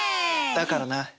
だからな。